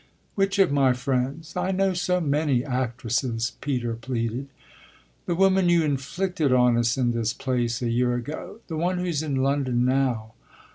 "Which of my friends? I know so many actresses," Peter pleaded. "The woman you inflicted on us in this place a year ago the one who's in London now."